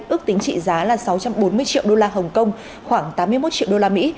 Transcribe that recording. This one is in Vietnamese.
ước tính trị giá là sáu trăm bốn mươi triệu đô la hồng kông khoảng tám mươi một triệu đô la mỹ